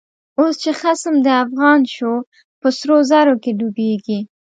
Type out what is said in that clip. اوس چه خصم دافغان شو، په سرو زرو کی ډوبیږی